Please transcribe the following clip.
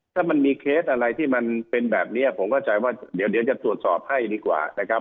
ถ้ามันมีเคสอะไรที่มันเป็นแบบนี้ผมเข้าใจว่าเดี๋ยวจะตรวจสอบให้ดีกว่านะครับ